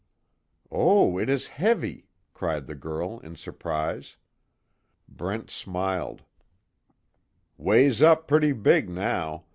"Oh, it is heavy!" cried the girl in surprise. Brent smiled, "Weighs up pretty big now.